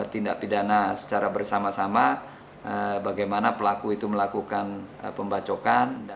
tindak pidana secara bersama sama bagaimana pelaku itu melakukan pembacokan